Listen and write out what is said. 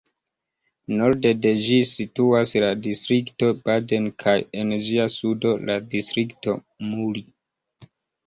Norde de ĝi situas la distrikto Baden kaj en ĝia sudo la distrikto Muri.